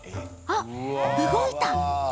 あっ動いた！